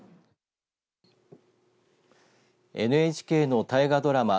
ＮＨＫの大河ドラマ